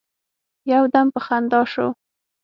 يو دم په خندا سو.